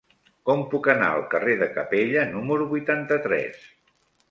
Com puc anar al carrer de Capella número vuitanta-tres?